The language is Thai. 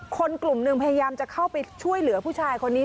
คนกลุ่มหนึ่งพยายามจะเข้าไปช่วยเหลือผู้ชายคนนี้